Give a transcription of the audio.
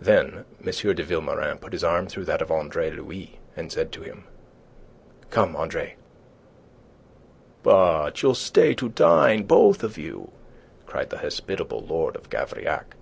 Then M. de Vilmorin put his arm through that of Andre Louis, and said to him, "Come, Andre." "But you'll stay to dine, both of you!" cried the hospitable Lord of Gavrillac.